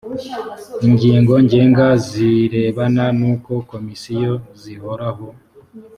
ingingo ngenga zirebana n’uko komisiyo zihoraho